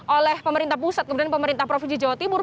oleh pemerintah pusat kemudian pemerintah provinsi jawa timur